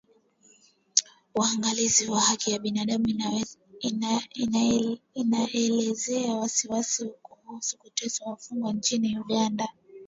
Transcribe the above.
Uangalizi wa haki za binadamu inaelezea wasiwasi kuhusu kuteswa wafungwa nchini Uganda